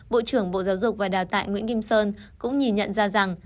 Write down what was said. bộ trưởng bộ giáo dục và đào tạo nguyễn kim sơn cũng nhìn nhận ra rằng